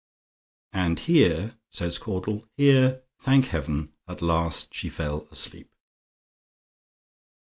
"And here," says Caudle "Here, thank Heaven! at last she fell asleep."